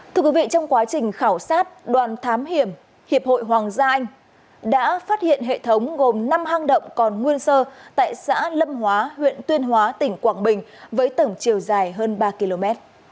thưa quý vị trong quá trình khảo sát đoàn thám hiểm hiệp hội hoàng gia anh đã phát hiện hệ thống gồm năm hang động còn nguyên sơ tại xã lâm hóa huyện tuyên hóa tỉnh quảng bình với tổng chiều dài hơn ba km